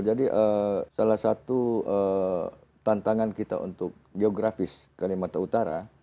jadi salah satu tantangan kita untuk geografis kalimantan utara